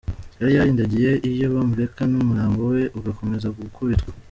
yariyarindagiye iyo bamureka numurambo we ugakomeza gukubitwa.